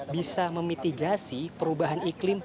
bisa memitigasi perubahan iklim